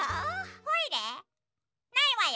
ないわよ。